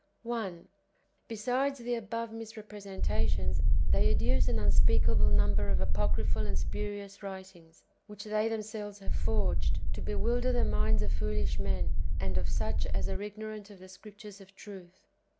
1. Besides the above [misrepresentations], they adduce an unspeakable number of apocryphal and spurious writings, wdiich they themselves have forged, to bewilder the minds of foolish men, and of such as are ignorant of the Scriptures of truth.